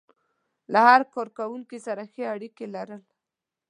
له هر کار کوونکي سره ښې اړيکې لرل.